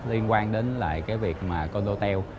liên quan đến việc con hotel